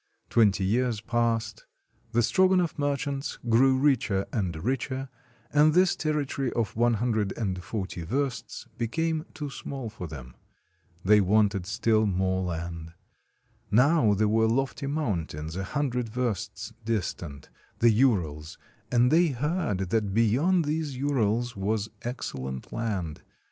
Twenty years passed. The Strogonoff merchants grew richer and richer, and this territory of one hundred and forty versts became too small for them. They wanted 1 A verst is not quite two thirds of a mile. 161 RUSSIA still more land. Now there were lofty mountains a hun dred versts distant, the Urals, and they heard that beyond these Urals was excellent land.